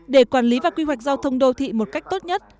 để quản lý và quy hoạch giao thông đô thị một cách tốt nhất